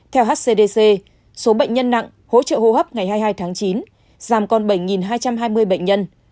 theo hcdc số bệnh nhân nặng hỗ trợ hô hấp ngày hai mươi hai tháng chín giảm còn bảy hai trăm hai mươi bệnh nhân